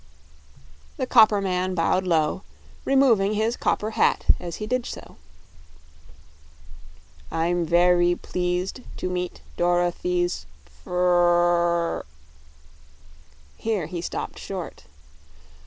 The copper man bowed low, removing his copper hat as he did so. "I'm ve ry pleased to meet Dor o thy's fr r r r " Here he stopped short.